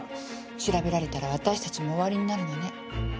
調べられたら私たちも終わりになるのね。